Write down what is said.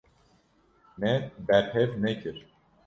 Me berhev nekir.